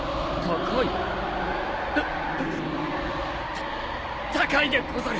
た高いでござる。